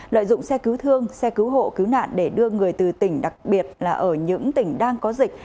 lợi dụng xe cứu thương xe cứu hộ cứu nạn để đưa người từ tỉnh đặc biệt là ở những tỉnh đang có dịch